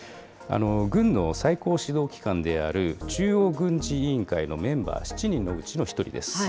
軍の最高指導機関である中央軍事委員会のメンバー７人のうちの１人です。